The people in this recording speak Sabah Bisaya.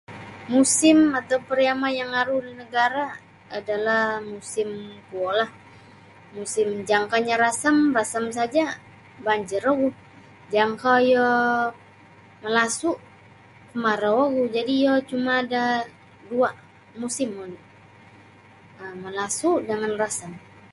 Musim atau pariama yang aru da nagara adalah musim kuo la musim jangkanya rasam rasam saja banjir ogu jangkanya malasu kamarau ogu jadi iyo cuma ada dua musim oni malasu jangan rasam.